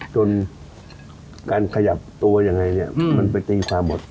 จนการขยับตัวยังไงเนี่ยมันไปตีความหมด